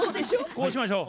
こうしましょう。